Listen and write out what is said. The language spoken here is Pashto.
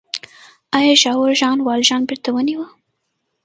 آیا ژاور ژان والژان بېرته ونیوه؟